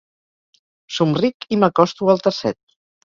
Somric i m'acosto al tercet.